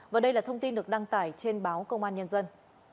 và đây là thông tin được đăng tải trên báo công an nhân dân